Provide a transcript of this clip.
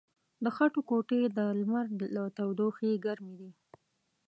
د خټو کوټې د لمر له تودوخې ګرمې دي.